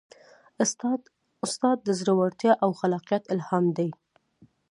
استاد د زړورتیا او خلاقیت الهام دی.